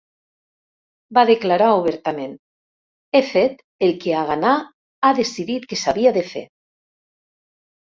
Va declarar obertament: "He fet el que Haganà ha decidit que s'havia de fer".